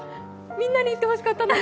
みんなに言ってほしかったのに。